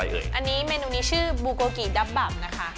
เอาล่ะเดินทางมาถึงในช่วงไฮไลท์ของตลอดกินในวันนี้แล้วนะครับ